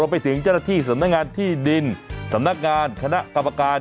ไปถึงเจ้าหน้าที่สำนักงานที่ดินสำนักงานคณะกรรมการ